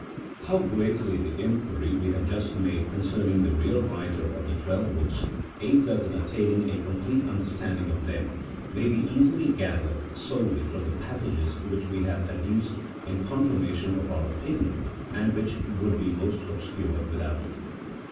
HOW greatly the inquiry we have just made concerning the real writer of the twelve books aids us in attain ing a complete understanding of them, may be easily gathered solely from the passages which we have adduced in confirmation of our opinion, and which would be most obscure without it.